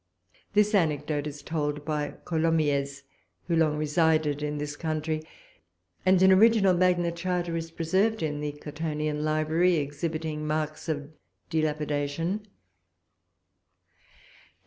This anecdote is told by Colomiés, who long resided in this country; and an original Magna Charta is preserved in the Cottonian library exhibiting marks of dilapidation.